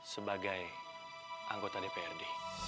sebagai anggota dprd